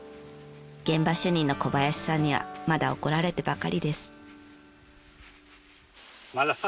現場主任の小林さんにはまだ怒られてばかりです。